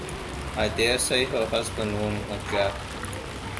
I dare say her husband won't object.